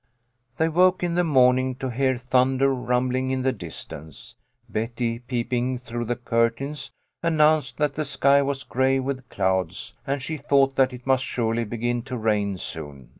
They woke in the morning, to hear thunder rum bling in the distance. Betty, peeping through the curtains, announced that the sky was gray with clouds, and she thought that it must surely begin to rain soon.